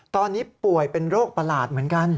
ตอนนี้ป่วยเป็นโรคประหลาดเหมือนกัน